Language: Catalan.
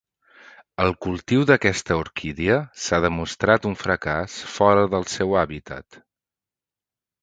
El cultiu d'aquesta orquídia s'ha demostrat un fracàs fora del seu hàbitat.